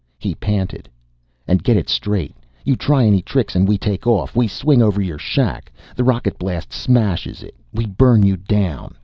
He panted: "And get it straight! You try any tricks and we take off! We swing over your shack! The rocket blast smashes it! We burn you down!